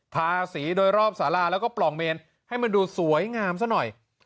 ทาสีโดยรอบสาราแล้วก็ปล่องเมนให้มันดูสวยงามซะหน่อย